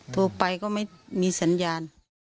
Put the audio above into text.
โทรไปก็ไม่มีสัญญาณ